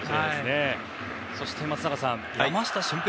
そして、松坂さん山下舜平